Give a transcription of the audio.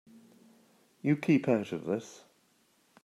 You keep out of this.